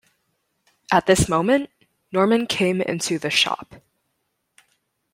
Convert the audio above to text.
At this moment Norman came into the shop.